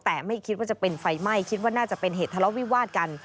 แต่ไม่คิดว่าจะเป็นไฟไหม้คิดว่าน่าจะเป็นเหตุทะเลาะวิวาดกัน